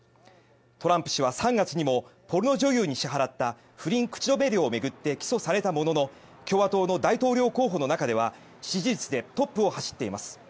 トランプ氏は３月にもポルノ女優に支払った不倫口止め料を巡って起訴されたものの共和党の大統領候補の中では支持率でトップを走っています。